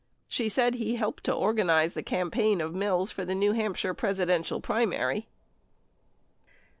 She said he helped to organize the campaign of Mills for the New Hampshire Presidential primary.